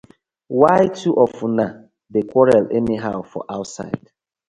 Why two of una dey quarel anyhow for ouside.